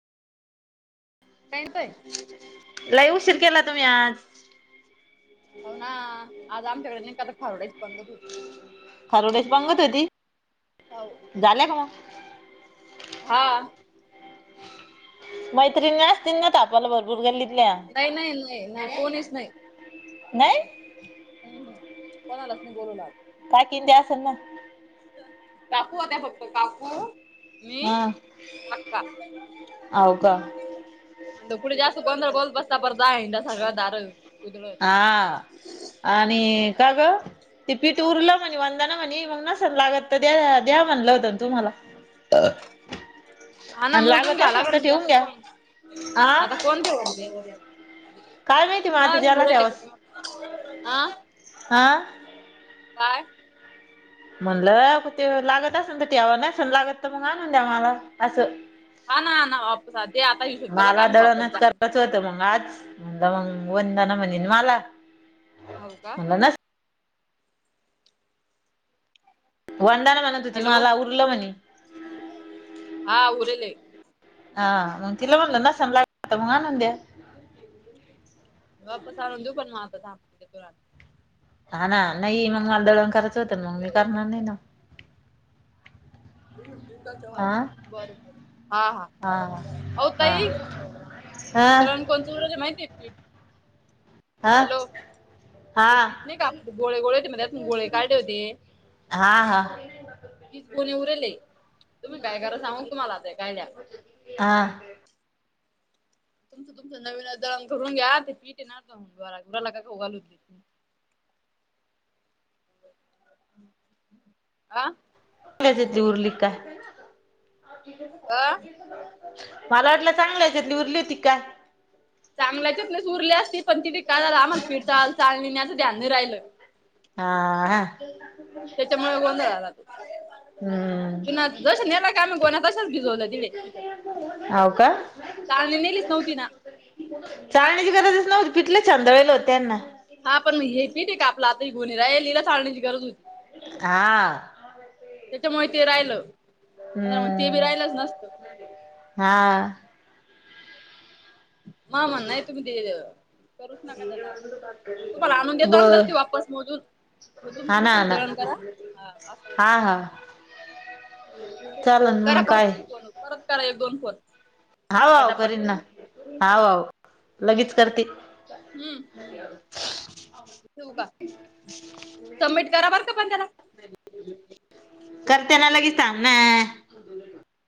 काय म्हणतोय लाई उशीर केला तुम्ही आज होना आज आमच्याकडे नाही कात खारोड्याची पंगत होती. खारोड्याची पंगत होती. होव झालंया का मग हा मैत्रीणी असती ना थापालाय भरपूर गल्लितल्या नाही, नाही, नाही नाही कोणीच नाही, नाही कोण आलाच नाही बोलवला आम्ही काकिं ते असेल ना, काकू हो त्या फक्त काकू मी हा आक्का हो का म्हणल कुठ जास्त गोंधळ बोलत बसता परदा एकदा सगळं दार कुदळत हा आणि का ग ते पीठ अ उरलं म्हणे वन ना म्हणे मग नसल लागत तर द्या द्या म्हणलं होतं ना तुम्हाला हा ना आणि मोजून लागत असेल घ्यालागल तर उदया ठेवून आता घ्या आ तुम्हाला आता कोणते काय माहिती मग हा आता द्याला उरेल आहे आ हां काय म्हणलं ते लागत अस ठेव नाही लागत तर मग आणून द्या मला असं हा ना ना वापस आनते आता इथून गेल का वापस जा होत मग आज म्हण मग वंदाना म्हणे मला हो का म्हणलं नस वंदना म्हणत होती हॅलो मला उरलं म्हणे हा उरले आहे. हा मग तिला म्हणलं नसाण लागत तर मग आणून द्या वापस आणून देऊ पण मग आता थांबा थोडा वेळ. हा ना नाही मग मला दळण करायचं होतं मग मी करणार नाही ना मग बर बरं, हा, हा ओ ताई. हं कोण चोरले माहिती आहे की हा हा ते पीठ नाही का आपले गोळे गोळे होते त्यातून गोळे काढले होते आ हा हा तीस मुली उरेले आहे तुम्ही काय कराच सांगू तुम्हाला आता काय दयाल हा तुमचं तुमचं नवीन घरून घ्या ते पीठ आहे ना गुराला खाऊ घाला ते आ? [unintelligible] उरली का काय? आ? मला वाटलं चांगल्या ह्याच्यातली उरली होती का काय? चांगल्याच्यातनच उरली असती. पण तिथे काय झालं आम्हाला पीठ चाळायला चाळणी नाही असं ध्यान नाही राहिल. हा आ. त्याच्यामुळे गोंधळ झाला तो. हम्म बिना, जशा नेल्या का म गोण्या तशाच भिजवल्या तिडे. तिथं. होव का? चाळणी नेलीच नव्हती ना. चाळण्याची गरजच नव्हती. तिथ लई छन्दळेल होत त्यांना. हा पण मग हे पीठ हाय का आपल आता हि गोणी राहयेल ए. हिला चाळण्याची गरज होती. हां. त्याच्यामुळे ते राहिलं. मग ते बी हम्म. राहिलच नसतं हा. म आम्हाला नाही तुम्ही दिलेल. करूच नका त्याला आता. तुम्हाला आणून देतो आम्ही तस बर ते वापस मोजून. पण तुम्ही हा तुम ना हा तुमच ना दळण करा. हा. असा आहे हा मग. हा चालन करा मग परत काय फोन. परत करा एक दोन फोन. हाव हाव पटापट करीन ना. हाव लगेच करते. हम्म. हम्. ठेवू का? सबमिट करा बर का पण त्याला. करते ना लगेच थांब ना.